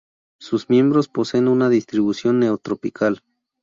Sus miembros posen una distribución Neotropical.